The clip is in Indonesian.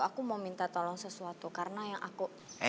aku mau minta tolong sesuatu karena yang aku